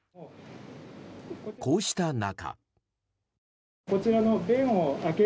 こうした中。